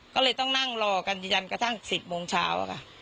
ก็เลยต้องนั่งรอกันยันกระทั่ง๑๐โมงเช้าค่ะ